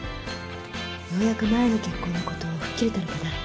ようやく前の結婚のこと吹っ切れたのかな？